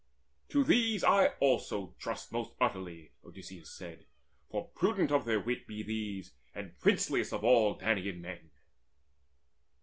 "To these I also trust most utterly," Odysseus said, "for prudent of their wit Be these, and princeliest of all Danaan men."